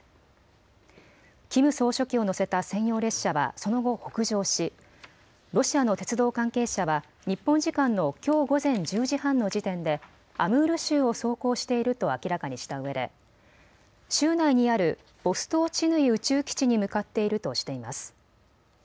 キム総書記を乗せた専用列車はその後、北上しロシアの鉄道関係者は日本時間のきょう午前１０時半の時点でアムール州を走行していると明らかにしたうえで州内にあるボストーチヌイ宇宙基地に向かっているとしています。